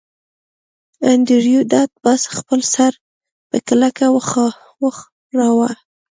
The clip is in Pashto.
انډریو ډاټ باس خپل سر په کلکه وښوراوه